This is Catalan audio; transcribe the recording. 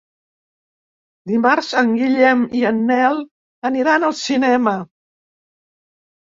Dimarts en Guillem i en Nel aniran al cinema.